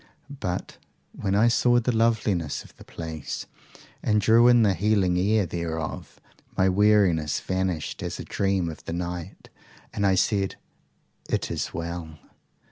But when I saw the loveliness of the place, and drew in the healing air thereof, my weariness vanished as a dream of the night, and I said, IT IS WELL.